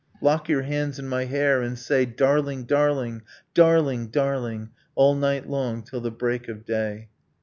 Lock your hands in my hair, and say Darling! darling! darling! darling! All night long till the break of day.